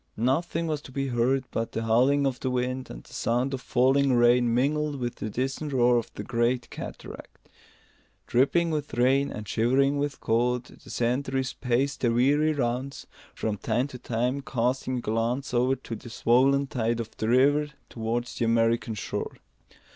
Nothing was to be heard but the howling of the wind and the sound of falling rain mingled with the distant roar of the great cataract. Dripping with rain and shivering with cold, the sentries paced their weary rounds, from time to time casting a glance over the swollen tide of the river towards the American shore.